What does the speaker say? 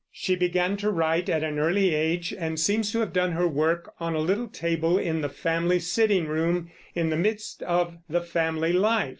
She began to write at an early age, and seems to have done her work on a little table in the family sitting room, in the midst of the family life.